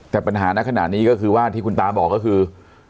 แต่ปัญหาในขณะนี้ก็คือว่าที่คุณตาบอกก็คือ